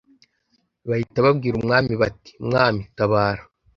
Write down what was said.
bahita babwira umwami bati mwami tabara